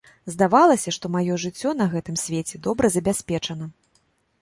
Здавалася, што маё жыццё на гэтым свеце добра забяспечана.